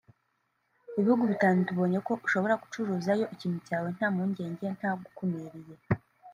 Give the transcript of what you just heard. ibihugu bitanu tubonye ko ushobora gucuruzayo ikintu cyawe nta mpungenge nta ntugukumiriye